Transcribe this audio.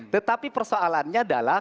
tetapi persoalannya adalah